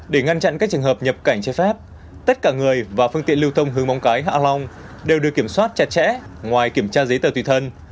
để ngăn chặn các trường hợp nhập cảnh trái phép tất cả người và phương tiện lưu thông hướng móng cái hạ long đều được kiểm soát chặt chẽ ngoài kiểm tra giấy tờ tùy thân